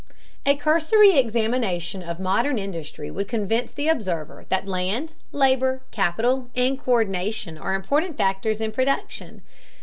A cursory examination of modern industry would convince the observer that land, labor, capital, and co÷rdination are important factors in production.